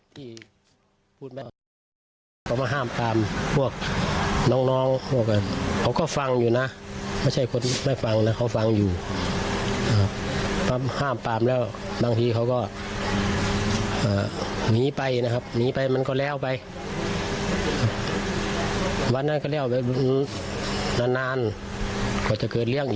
ถ้าตามปกติหรือครับตามปกติเขาเป็นคนใจร้อน